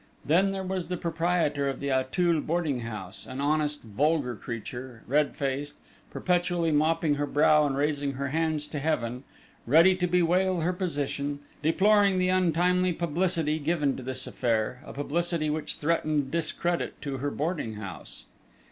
Then there was the proprietor of the Auteuil boarding house: an honest, vulgar creature, red faced, perpetually mopping her brow and raising her hands to heaven; ready to bewail her position, deploring the untimely publicity given to this affair, a publicity which threatened discredit to her boarding house.